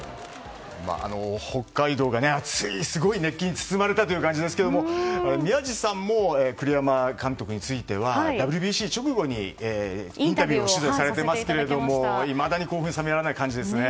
北海道が熱い、すごい熱気に包まれた感じですが宮司さんも栗山監督についてはＷＢＣ直後に取材をされてますがいまだに興奮冷めやらない感じですね。